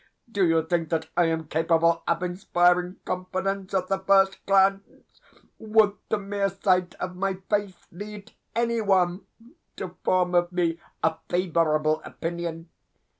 Do you think that I am capable of inspiring confidence at the first glance? Would the mere sight of my face lead any one to form of me a favourable opinion?